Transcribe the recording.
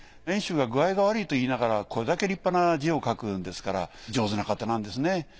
遠州が具合が悪いと言いながらこれだけ立派な字を書くんですから上手な方なんですね。